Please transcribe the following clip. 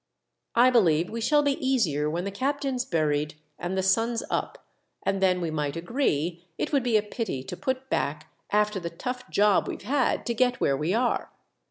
I believe we shall be easier when the captain's buried and the sun's up, and then we might agree it would be a pity to put back after the tough job we've had to get where we are.